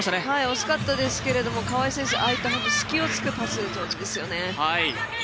惜しかったですけれども川井選手ああいった隙を突くパスが上手ですよね。